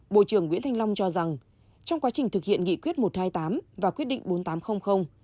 bộ trưởng nguyễn thanh long cho rằng trong quá trình thực hiện nghị quyết một trăm hai mươi tám và quyết định bốn nghìn tám trăm linh